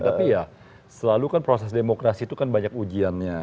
tapi ya selalu kan proses demokrasi itu kan banyak ujiannya